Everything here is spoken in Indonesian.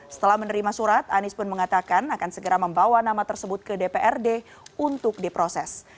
setelah menerima surat anies pun mengatakan akan segera membawa nama tersebut ke dprd untuk diproses